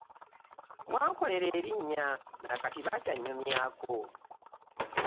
Wankolera erinnya na kati bakyannyumyako.